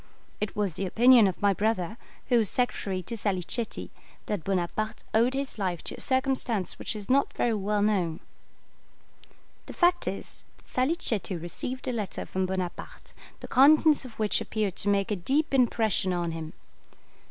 It was the opinion of my brother, who was secretary to Salicetti, that Bonaparte owed his life to a circumstance which is not very well known. The fact is, that Salicetti received a letter from Bonaparte, the contents of which appeared to make a deep impression on him.